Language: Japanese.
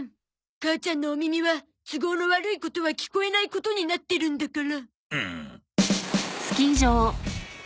母ちゃんのお耳は都合の悪いことは聞こえないことになってるんだから。